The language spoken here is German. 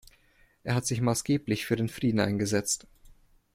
Er hat sich maßgeblich für den Frieden eingesetzt.